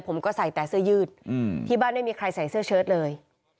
ผมก็ใส่แต่เสื้อยืดที่บ้านไม่มีใครใส่เสื้อเชิดเลย